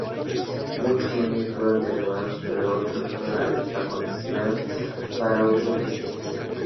Muchos molinos fueron derribados, pero otros fueron acondicionados para uso residencial.